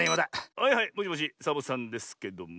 はいはいもしもしサボさんですけども。